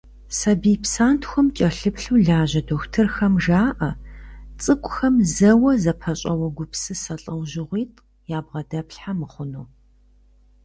Сабий псантхуэм кӏэлъыплъу лажьэ дохутырхэм жаӏэ цӏыкӏухэм зэуэ зэпэщӏэуэ гупсысэ лӏэужьыгъуитӏ ябгъэдэплъхьэ мыхъуну.